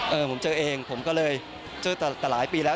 เออผมเจอเองผมก็เลยเจอแต่หลายปีแล้ว